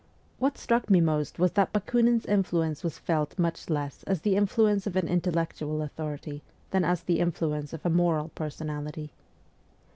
What struck me most was that Bakiinin's influence was felt much less as the influence of an intellectual authority than as the influence of a moral personality.